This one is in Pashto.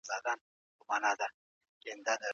د بدن روغتیا لپاره ورزش یو اصل دی.